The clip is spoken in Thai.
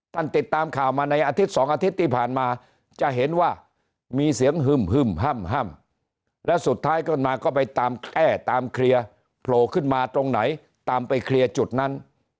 ติดตามข่าวมาในอาทิตย์๒อาทิตย์ที่ผ่านมาจะเห็นว่ามีเสียงฮึ่มฮ่ำแล้วสุดท้ายขึ้นมาก็ไปตามแก้ตามเคลียร์โผล่ขึ้นมาตรงไหนตามไปเคลียร์จุดนั้น